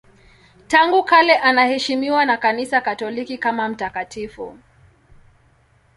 Tangu kale anaheshimiwa na Kanisa Katoliki kama mtakatifu.